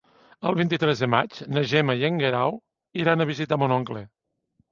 El vint-i-tres de maig na Gemma i en Guerau iran a visitar mon oncle.